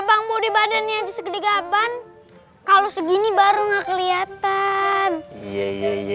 bang bodi badannya segede gaban kalau segini baru nggak kelihatan iye ye ye